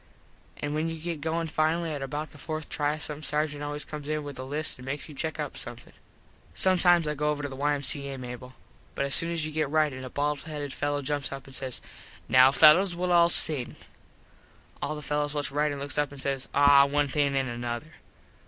An when you get goin finally at about the fourth try some sargent always comes in with a list and makes you check up something. Sometimes I go over to the Y.M.C.A., Mable. But as soon as you get ritin a bald headed fello jumps up an says "Now fellos well all sing." All the fellos whats ritin looks up an says "Aw one thing and another."